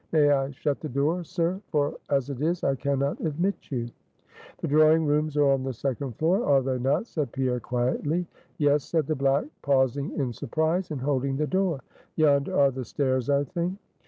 May I shut the door, sir? for as it is, I can not admit you." "The drawing rooms are on the second floor, are they not?" said Pierre quietly. "Yes," said the black pausing in surprise, and holding the door. "Yonder are the stairs, I think?"